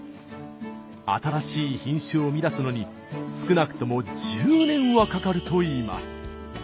新しい品種を生み出すのに少なくとも１０年はかかるといいます。